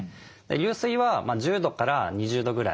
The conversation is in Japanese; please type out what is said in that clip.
流水は１０度から２０度ぐらい。